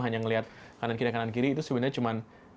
hanya melihat kanan kiri kanan kiri itu sebenarnya cuma